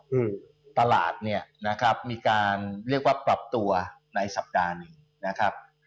คือตลาดเนี่ยนะครับมีการเรียกว่าปรับตัวในสัปดาห์หนึ่งนะครับ